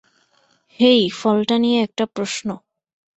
হেই, ফলটা নিয়ে একটা প্রশ্ন।